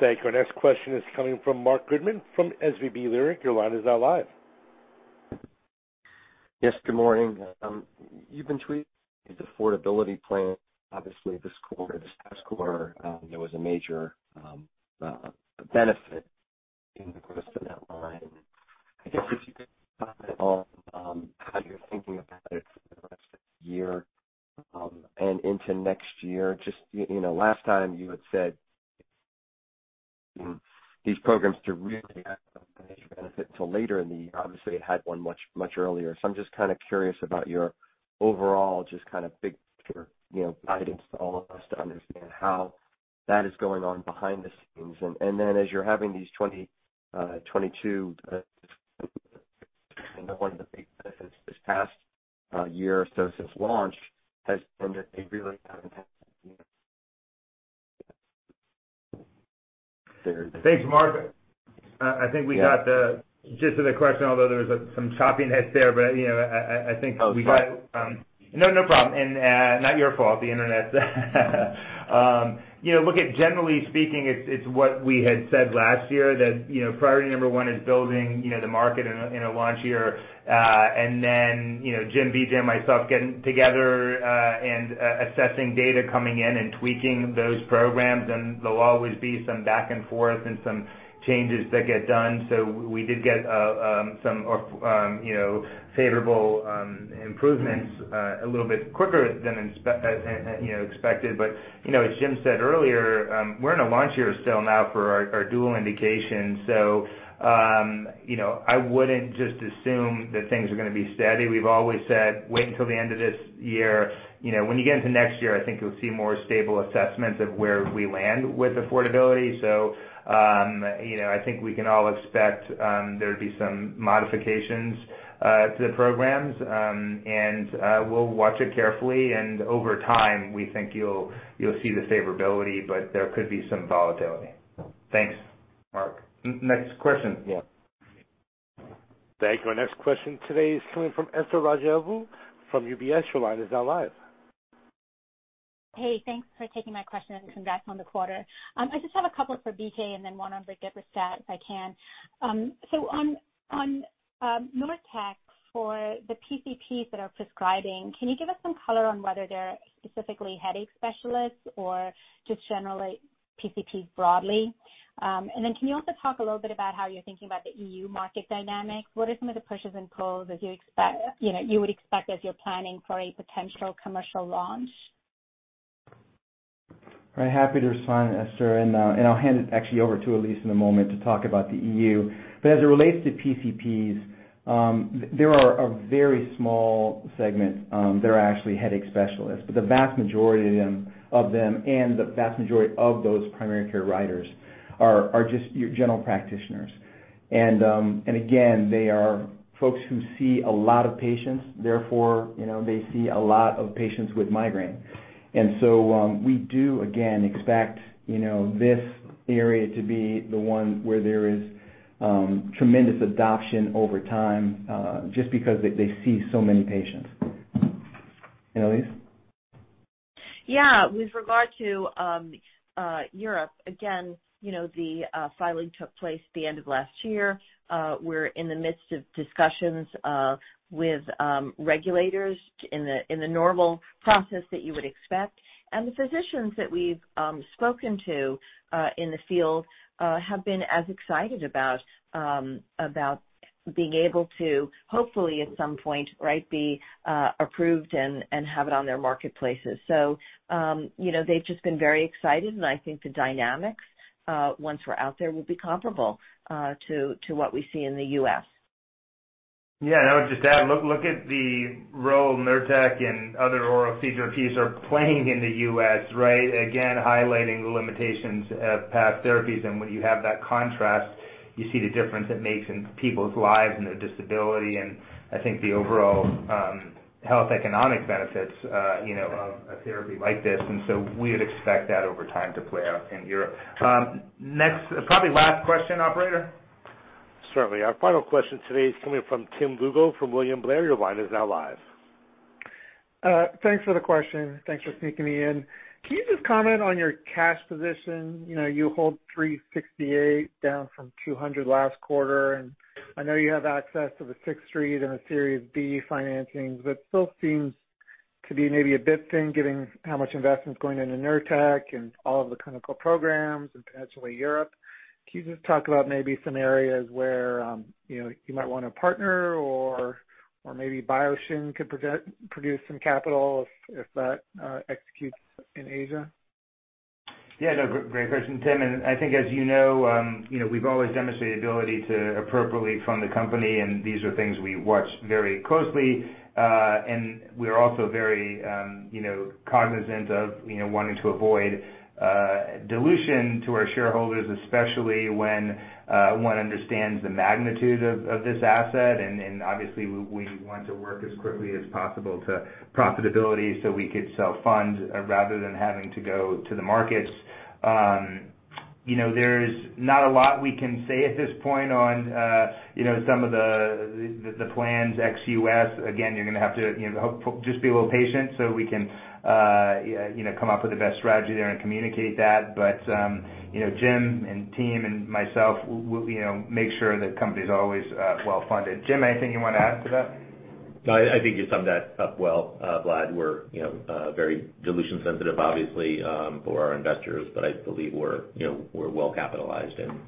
Thank you. Our next question is coming from Marc Goodman from SVB Leerink. Your line is now live. Yes, good morning. You've been tweaking the affordability plan. Obviously this quarter, this past quarter, there was a major benefit in the course of that line. I guess if you could comment on how you're thinking about it for the rest of this year and into next year. Just last time you had said these programs to really have a major benefit till later in the year. Obviously, it had one much earlier. I'm just kind of curious about your overall, just kind of big picture guidance to all of us to understand how that is going on behind the scenes. As you're having these 2022 One of the big benefits this past year or so since launch has been. Thanks, Marc. I think we got the gist of the question, although there was some choppiness there. I think we got it. No problem. Not your fault, the internet. Look at generally speaking, it's what we had said last year that, priority number one is building the market in a launch year. Jim, BJ, myself, getting together and assessing data coming in and tweaking those programs, and there'll always be some back and forth and some changes that get done. We did get some favorable improvements a little bit quicker than expected. As Jim said earlier, we're in a launch year still now for our dual indication. I wouldn't just assume that things are going to be steady. We've always said, wait until the end of this year. When you get into next year, I think you'll see more stable assessments of where we land with affordability. I think we can all expect there to be some modifications to the programs. We'll watch it carefully, and over time, we think you'll see the favorability, but there could be some volatility. Thanks, Marc. Next question. Yeah. Thank you. Our next question today is coming from Esther Rajavelu from UBS. Your line is now live. Hey, thanks for taking my question, and congrats on the quarter. I just have a couple for BJ and then one on the verdiperstat, if I can. On NURTEC ODT for the PCPs that are prescribing, can you give us some color on whether they're specifically headache specialists or just generally PCPs broadly? Can you also talk a little bit about how you're thinking about the EU market dynamics? What are some of the pushes and pulls, as you would expect as you're planning for a potential commercial launch? Very happy to respond, Esther, and I'll hand it actually over to Elyse in a moment to talk about the EU. As it relates to PCPs, there are a very small segment that are actually headache specialists. The vast majority of them, and the vast majority of those primary care physicians are just your general practitioners. Again, they are folks who see a lot of patients, therefore, they see a lot of patients with migraine. We do again, expect this area to be the one where there is tremendous adoption over time, just because they see so many patients. Elyse. With regard to Europe, again, the filing took place at the end of last year. We're in the midst of discussions with regulators in the normal process that you would expect. The physicians that we've spoken to, in the field, have been as excited about being able to, hopefully, at some point, right, be approved and have it on their marketplaces. They've just been very excited, and I think the dynamics, once we're out there, will be comparable to what we see in the U.S. Yeah. I would just add, look at the role NURTEC ODT and other oral CGRPs are playing in the U.S., right? Again, highlighting the limitations of past therapies. When you have that contrast, you see the difference it makes in people's lives and their disability, and I think the overall health economic benefits of a therapy like this. We would expect that over time to play out in Europe. Next, probably last question, operator. Certainly. Our final question today is coming from Tim Lugo from William Blair. Your line is now live. Thanks for the question. Thanks for sneaking me in. Can you just comment on your cash position? You hold $368 down from $200 last quarter. I know you have access to the Sixth Street and a Series B financing, but still seems to be maybe a bit thin giving how much investment's going into NURTEC ODT and all of the clinical programs and potentially Europe. Can you just talk about maybe some areas where you might want to partner or, maybe BioShin could produce some capital if that executes in Asia? Yeah, no, great question, Tim. I think as you know, we've always demonstrated ability to appropriately fund the company. These are things we watch very closely. We're also very cognizant of wanting to avoid dilution to our shareholders, especially when one understands the magnitude of this asset. Obviously we want to work as quickly as possible to profitability so we could self-fund rather than having to go to the markets. There's not a lot we can say at this point on some of the plans ex-U.S. Again, you're going to have to just be a little patient so we can come up with the best strategy there and communicate that. Jim and team and myself, we'll make sure that companies are always well funded. Jim, anything you want to add to that? No, I think you summed that up well, Vlad. We're very dilution sensitive, obviously, for our investors. I believe we're well capitalized and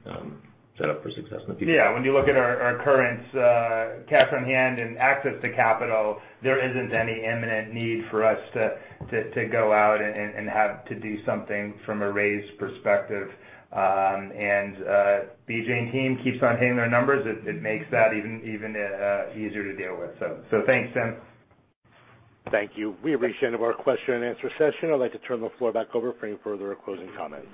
set up for success in the future. Yeah. When you look at our current cash on hand and access to capital, there isn't any imminent need for us to go out and have to do something from a raise perspective. BJ and team keeps on hitting their numbers. It makes that even easier to deal with. Thanks, Tim. Thank you. We have reached the end of our question and answer session. I'd like to turn the floor back over for any further closing comments.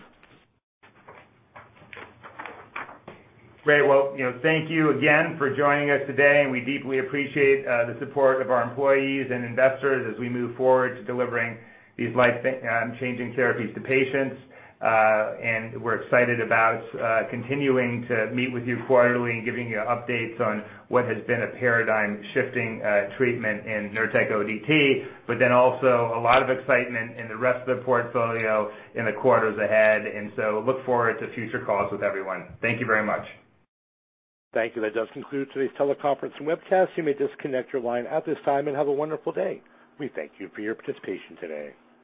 Great. Well, thank you again for joining us today. We deeply appreciate the support of our employees and investors as we move forward to delivering these life-changing therapies to patients. We're excited about continuing to meet with you quarterly and giving you updates on what has been a paradigm shifting treatment in NURTEC ODT, also a lot of excitement in the rest of the portfolio in the quarters ahead. Look forward to future calls with everyone. Thank you very much. Thank you. That does conclude today's teleconference and webcast. You may disconnect your line at this time, and have a wonderful day. We thank you for your participation today.